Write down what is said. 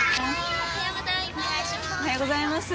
おはようございます。